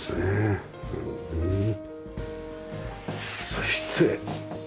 そして。